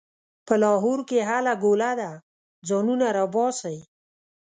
په لاهور کې هله ګوله ده؛ ځانونه راباسئ.